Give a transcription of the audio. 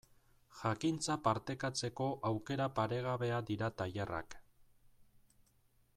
Jakintza partekatzeko aukera paregabea dira tailerrak.